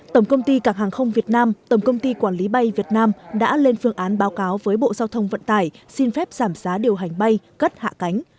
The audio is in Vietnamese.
tổng công ty cảng hàng không việt nam tổng công ty quản lý bay việt nam đã lên phương án báo cáo với bộ giao thông vận tải xin phép giảm giá điều hành bay cất hạ cánh